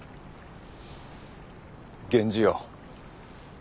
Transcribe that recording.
源氏よ。